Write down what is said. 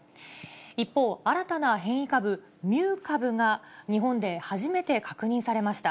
一方、新たな変異株、ミュー株が、日本で初めて確認されました。